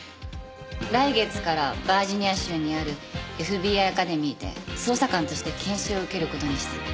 来月からバージニア州にあるＦＢＩアカデミーで捜査官として研修を受ける事にしたの。